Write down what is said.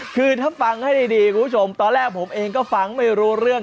คือถ้าฟังให้ดีคุณผู้ชมตอนแรกผมเองก็ฟังไม่รู้เรื่อง